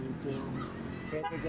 jadi abarnya udah nyusahkan dulu